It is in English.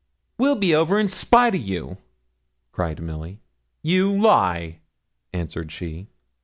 'We'll be over in spite o' you,' cried Milly. 'You lie!' answered she.